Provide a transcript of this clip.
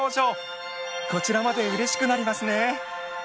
こちらまでうれしくなりますね。